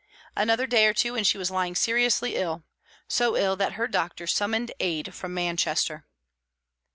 Another day or two, and she was lying seriously ill so ill that her doctor summoned aid from Manchester.